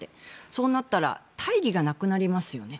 そうなったら大義がなくなりますよね。